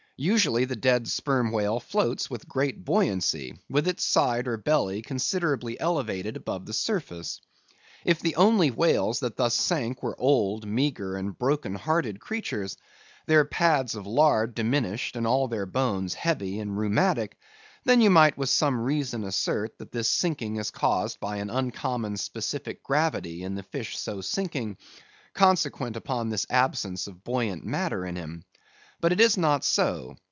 Usually the dead Sperm Whale floats with great buoyancy, with its side or belly considerably elevated above the surface. If the only whales that thus sank were old, meagre, and broken hearted creatures, their pads of lard diminished and all their bones heavy and rheumatic; then you might with some reason assert that this sinking is caused by an uncommon specific gravity in the fish so sinking, consequent upon this absence of buoyant matter in him. But it is not so.